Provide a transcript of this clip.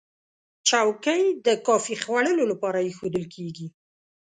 چوکۍ د کافي خوړلو لپاره ایښودل کېږي.